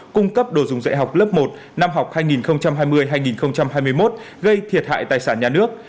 cung cấp đồ dùng dạy học lớp một năm học hai nghìn hai mươi hai nghìn hai mươi một gây thiệt hại tài sản nhà nước